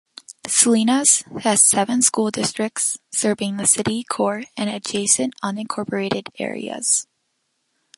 Salinas has seven school districts serving the city core and adjacent unincorporated areas.